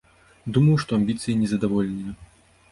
Думаю, што амбіцыі незадаволеныя.